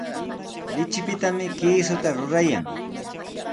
Lichipitami kiisuta rurayan.